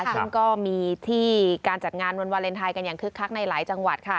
ซึ่งก็มีที่การจัดงานวันวาเลนไทยกันอย่างคึกคักในหลายจังหวัดค่ะ